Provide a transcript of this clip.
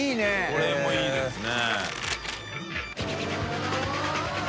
これもいいですね。